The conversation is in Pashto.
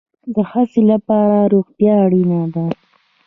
د هڅې لپاره روغتیا اړین ده